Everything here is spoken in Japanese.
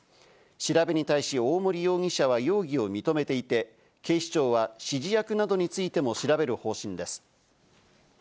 調べに対し大森容疑者は容疑を認めていて、警視庁は指示役などについても調べる方針です。